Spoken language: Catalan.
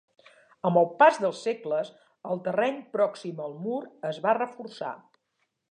Amb el pas dels segles, el terreny pròxim al mur es va reforçar.